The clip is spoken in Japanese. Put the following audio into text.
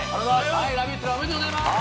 ラビットラおめでとうございます！